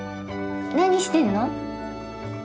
何してんの？